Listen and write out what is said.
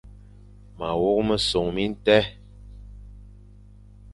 Ma wok mesong bi tèn.